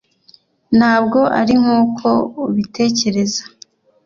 ntabwo ari nkuko ubitekereza